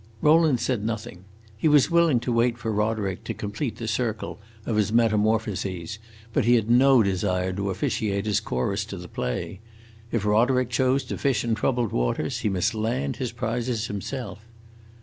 Rowland said nothing. He was willing to wait for Roderick to complete the circle of his metamorphoses, but he had no desire to officiate as chorus to the play. If Roderick chose to fish in troubled waters, he must land his prizes himself.